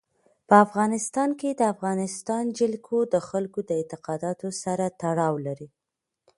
په افغانستان کې د افغانستان جلکو د خلکو د اعتقاداتو سره تړاو لري.